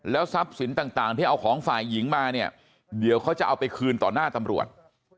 ทรัพย์สินต่างที่เอาของฝ่ายหญิงมาเนี่ยเดี๋ยวเขาจะเอาไปคืนต่อหน้าตำรวจ